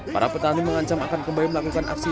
para petani mengancam akan kembali melakukan aksi